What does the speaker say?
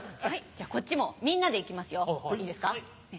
じゃこっちもみんなで行きますよいいですか？